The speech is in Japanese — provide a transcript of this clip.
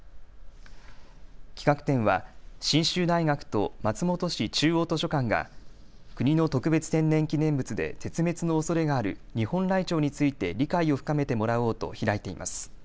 企画展は信州大学と松本市中央図書館が国の特別天然記念物で絶滅のおそれがあるニホンライチョウについて理解を深めてもらおうと開いています。